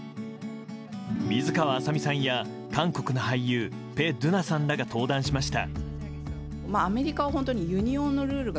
水川あさみさんや、韓国の俳優ペ・ドゥナさんらが登壇しました。